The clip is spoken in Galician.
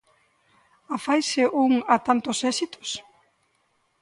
Afaise un a tantos éxitos?